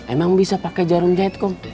emang bisa pakai jarum jahit kok